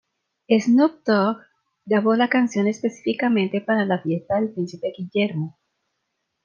Snoop Dogg grabó la canción específicamente para la fiesta del Príncipe Guillermo.